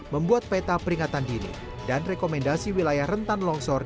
membuat peta peringatan dini dan rekomendasi wilayah rentan longsor